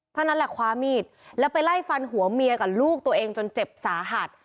เท่านั้นแหละคว้ามีดแล้วไปไล่ฟันหัวเมียกับลูกตัวเองจนเจ็บสาหัส